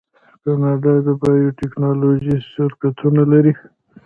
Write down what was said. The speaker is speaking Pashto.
کاناډا د بایو ټیکنالوژۍ شرکتونه لري.